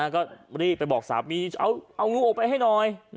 ก็รีบไปบอกสามีเอางูออกไปให้หน่อย